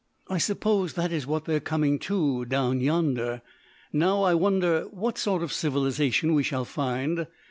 "I suppose that is what they're coming to down yonder. Now, I wonder what sort of civilisation we shall find.